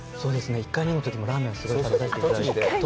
１回目のときはラーメンすごい食べさせていただいて。